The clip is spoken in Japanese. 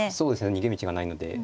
逃げ道がないので。